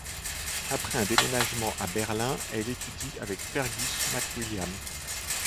Après un déménagement à Berlin, elle étudie avec Fergus McWilliam.